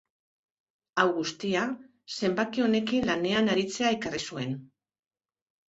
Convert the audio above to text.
Hau guztia, zenbaki honekin lanean aritzea ekarri zuen.